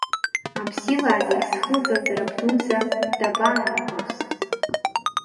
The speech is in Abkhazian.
Аԥсилаа зегь зхылҵыз рабдуӡа дабаанагоз?!